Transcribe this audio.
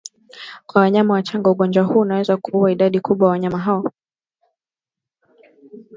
Kwa wanyama wachanga ugonjwa huu unaweza kuua idadi kubwa wanyama hao